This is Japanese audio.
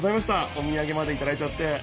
おみやげまでいただいちゃって。